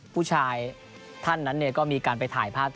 ผู้ชายท่านนั้นก็มีการไปถ่ายภาพ